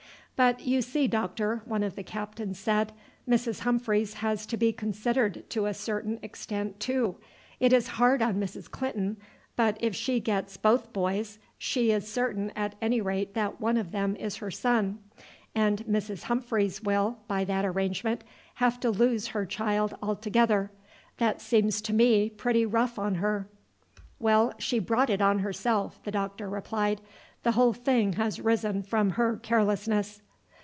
"But, you see, doctor," one of the captains said, "Mrs. Humphreys has to be considered to a certain extent too. It is hard on Mrs. Clinton; but if she gets both boys she is certain at any rate that one of them is her son, and Mrs. Humphreys will, by that arrangement, have to lose her child altogether. That seems to me pretty rough on her." "Well, she brought it on herself," the doctor replied. "The whole thing has arisen from her carelessness."